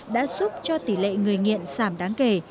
đã giúp cho tỷ lệ người nghiện giảm đáng kể